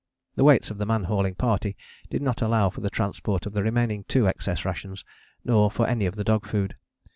The weights of the man hauling party did not allow for the transport of the remaining two XS rations, nor for any of the dog food.